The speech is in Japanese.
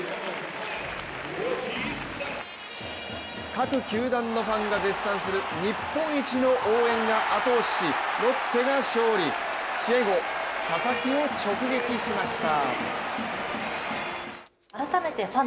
各球団のファンが絶賛する日本一の応援が後押ししロッテが勝利、試合後、佐々木を直撃しました。